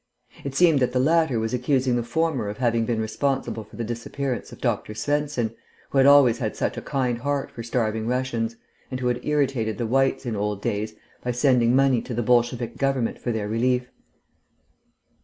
It seemed that the latter was accusing the former of having been responsible for the disappearance of Dr. Svensen, who had always had such a kind heart for starving Russians, and who had irritated the Whites in old days by sending money to the Bolshevik government for their relief.